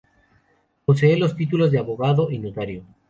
Posee los títulos de abogado y notario.